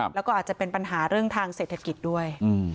แล้วก็อาจจะเป็นปัญหาเรื่องทางเศรษฐกิจด้วย